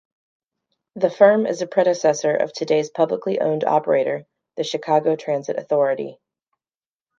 The firm is a predecessor of today's publicly owned operator, the Chicago Transit Authority.